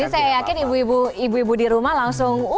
saya yakin ibu ibu di rumah langsung